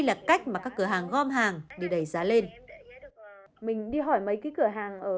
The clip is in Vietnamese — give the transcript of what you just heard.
nó bán một lần nó bán ra đâu phải bốn trăm linh mấy nó bán năm trăm linh mấy một thùng